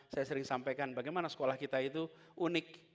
saya sering sampaikan bagaimana sekolah kita itu unik